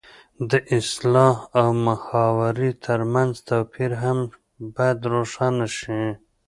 د اصطلاح او محاورې ترمنځ توپیر هم باید روښانه شي